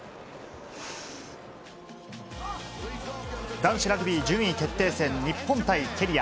男子ラグビー順位決定戦、日本対ケニア。